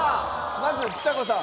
まずちさ子さん。